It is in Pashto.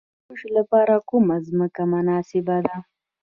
د وربشو لپاره کومه ځمکه مناسبه ده؟